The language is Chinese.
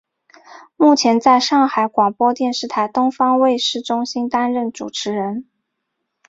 目前在上海广播电视台东方卫视中心担任主持人。